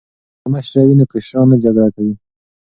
که مشره وي نو کشران نه جګړه کوي.